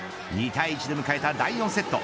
２対１で迎えた第４セット。